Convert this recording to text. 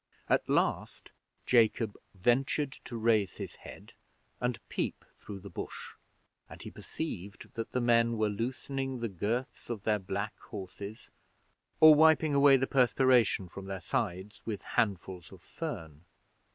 At last Jacob ventured to raise his head and peep through the bush; and he perceived that the men were loosening the girths of their black horses, or wiping away the perspiration from their sides with handfuls of fern.